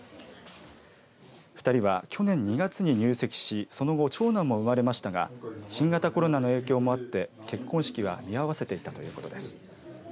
２人は去年２月に入籍しその後、長男も生まれましたが新型コロナの影響もあって結婚式は見合わせていたということです。